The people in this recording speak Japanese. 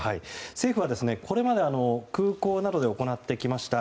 政府はこれまで空港などで行ってきました